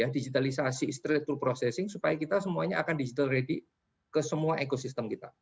digitalisasi street to processing supaya kita semuanya akan digital ready ke semua ekosistem kita